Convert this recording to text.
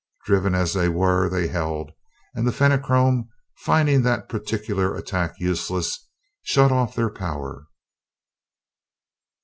Driven as they were, they held, and the Fenachrone, finding that particular attack useless, shut off their power.